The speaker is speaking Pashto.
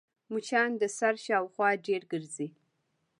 مچان د سر شاوخوا ډېر ګرځي